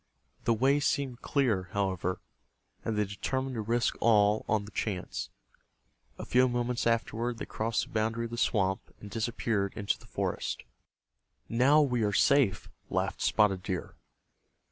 The way seemed clear, however, and they determined to risk all on the chance. A few moments afterward they crossed the boundary of the swamp, and disappeared into the forest. "Now we are safe," laughed Spotted Deer.